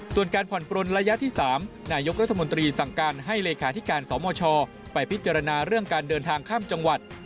ส่วนการผ่อนปลนระยะที่๓นายกรัฐมนตรีสั่งการให้เลขาธิการสมชไปพิจารณาเรื่องการเดินทางข้ามจังหวัด